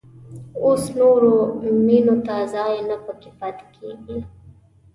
اوس نورو مېنو ته ځای نه په کې پيدا کېږي.